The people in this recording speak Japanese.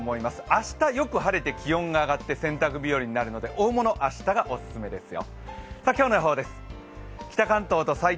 明日、よく晴れて気温が上がって洗濯日和になるので、大物は明日がオススメですよ。